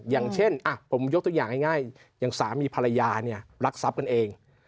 อย่างเช่นผมยกตัวอย่างง่ายอย่างสามีภรรยาเนี่ยรักทรัพย์กันเอง